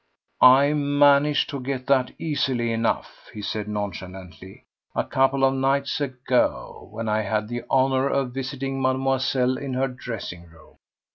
"I managed to get that easily enough," he said nonchalantly, "a couple of nights ago, when I had the honour of visiting Mademoiselle in her dressing room.